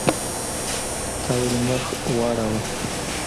تا ولې مخ واړاوه؟